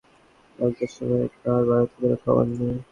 তিনি ওয়ারী হিন্দু অঞ্চলে এসেছেন দাঙ্গার সময়, তঁার বাড়িতে কোনো খাবার নেই।